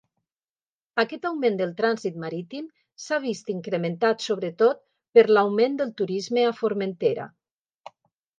Aquest augment del trànsit marítim s'ha vist incrementat sobretot per l'augment del turisme a Formentera.